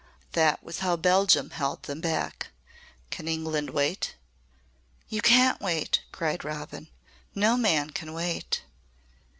That was how Belgium held them back. Can England wait?" "You can't wait!" cried Robin. "No man can wait."